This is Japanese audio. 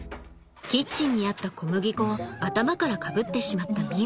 キッチンにあった小麦粉を頭からかぶってしまった海音